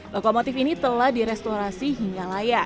lokomotif ini telah direstorasi hingga layak